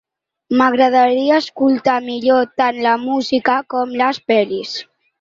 M'agradaria escoltar millor tant la música com les pelis.